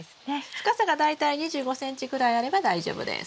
深さが大体２５ｃｍぐらいあれば大丈夫です。